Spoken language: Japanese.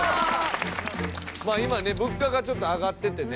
今ね物価がちょっと上がっててね